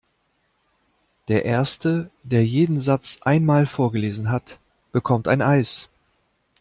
Der erste, der jeden Satz einmal vorgelesen hat, bekommt ein Eis!